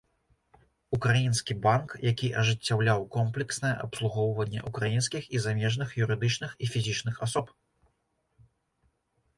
Украінскі банк, які ажыццяўляў комплекснае абслугоўванне украінскіх і замежных юрыдычных і фізічных асоб.